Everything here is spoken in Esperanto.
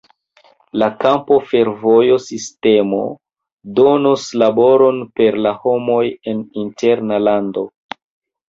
La kampa fervojo sistemo donos laboron per la homoj en interna lando.